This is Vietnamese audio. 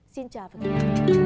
xin chào và hẹn gặp lại